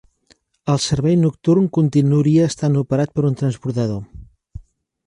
El servei nocturn continuaria estant operat per un transbordador.